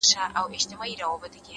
يو چا تضاده کړم’ خو تا بيا متضاده کړمه’